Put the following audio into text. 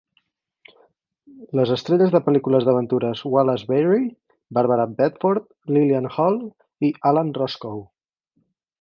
Les estrelles de pel·lícules d'aventures Wallace Beery, Barbara Bedford, Lillian Hall i Alan Roscoe.